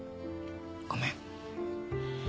ごめん。